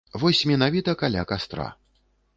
Вось менавіта каля кастра.